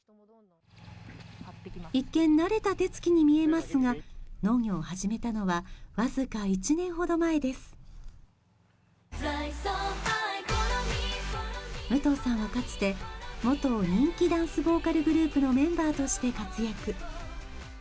一見慣れた手つきに見えますが農業を始めたのはわずか１年ほど前です武藤さんはかつて元人気ダンスボーカルグループのメンバーとして活躍